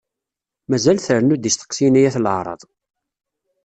Mazal trennu-d isteqsiyen ay at laɛraḍ.